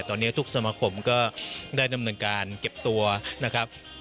ตอนนี้ทุกสมาคมก็ได้ดำเนินการเก็บตัวนะครับ